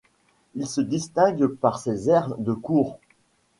Il se distingue par ses airs de cour.